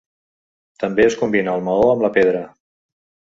També es combina el maó amb la pedra.